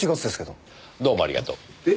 どうもありがとう。え？